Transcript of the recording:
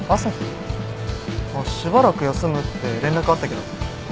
しばらく休むって連絡あったけど。